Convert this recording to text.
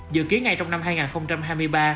dự kiến ngay trong năm hai nghìn hai mươi ba